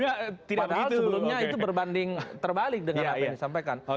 padahal sebelumnya itu berbanding terbalik dengan apa yang disampaikan